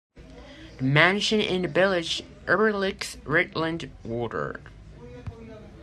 The mansion in the village overlooks Rutland Water.